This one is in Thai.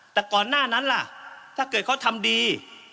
แต่ก่อนหน้านั้นล่ะถ้าเกิดเขาทำดี